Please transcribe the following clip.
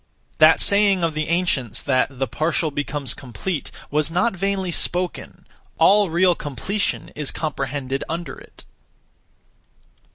That saying of the ancients that 'the partial becomes complete' was not vainly spoken: all real completion is comprehended under it.